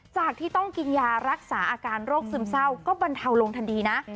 จากที่ต้องกินยารักษาอาการโรคซึมเศร้าก็บรรเทาลงทันทีนะ